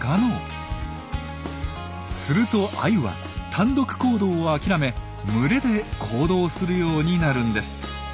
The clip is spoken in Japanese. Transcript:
するとアユは単独行動を諦め群れで行動するようになるんです。